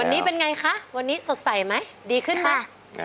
วันนี้เป็นอย่างไรคะวันนี้สดใสไหมดีขึ้นมั้ยค่ะ